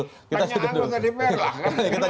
tanya aku tadi perlah kan